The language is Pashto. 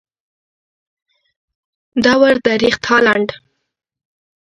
دور درېخت هالنډ.